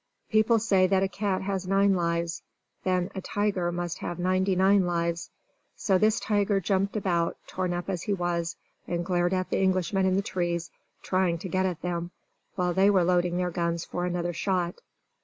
People say that a cat has nine lives; then a tiger must have ninety nine lives. So this tiger jumped about, torn up as he was, and glared at the Englishmen in the trees, trying to get at them, while they were loading their guns for another shot.